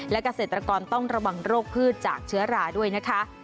และเกษตรกรต้องระวังโรคพืชจากเชื้อราด้วยนะคะ